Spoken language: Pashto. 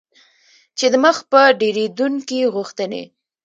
چې د مخ په ډیریدونکي غوښتنې